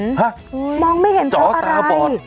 ฮะจ๋อสระปอดมองไม่เห็นเพราะอะไร